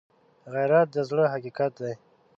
غیرت د زړه حقیقت دی